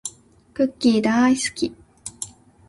クッキーだーいすき